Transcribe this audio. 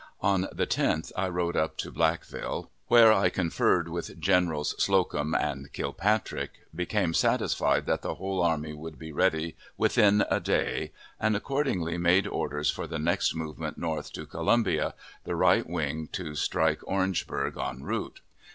On the 10th I rode up to Blackville, where I conferred with Generals Slocum and Kilpatrick, became satisfied that the whole army would be ready within a day, and accordingly made orders for the next movement north to Columbia, the right wing to strike Orangeburg en route.